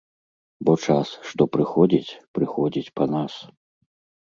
Бо час, што прыходзіць, прыходзіць па нас.